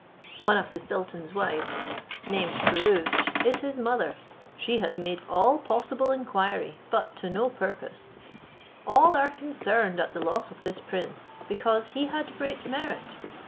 One of the sultan's wives, named Pirouzč, is his mother; she has made all possible inquiry, but to no purpose. All are concerned at the loss of this prince, because he had great merit.